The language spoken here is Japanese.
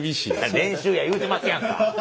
練習や言うてますやんか。